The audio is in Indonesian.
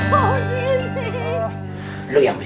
lo yang fisik bukan gue